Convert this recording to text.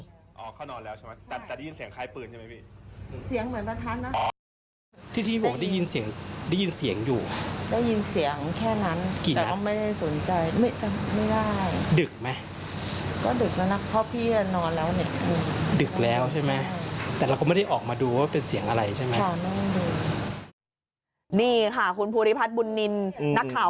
นี่ค่ะคุณภูริพัฒน์บุญนินนักข่าว